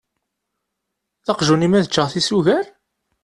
D aqjun-im ad ččeɣ tisugar!?